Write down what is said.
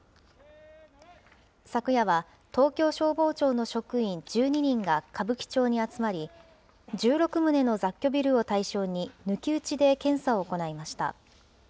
昨夜は東京消防庁の職員１２人が歌舞伎町に集まり、１６棟の雑居ビルを対象に、抜き打ちで検査を行いました。